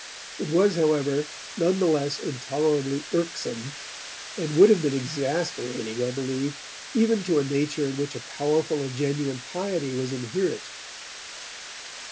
It was, however, none the less intolerably irksome, and would have been exasperating, I believe, even to a nature in which a powerful and genuine piety was inherent.